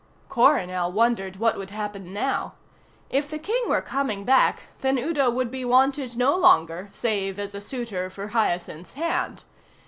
Coronel wondered what would happen now. If the King were coming back, then Udo would be wanted no longer save as a suitor for Hyacinth's hand.